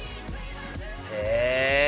へえ。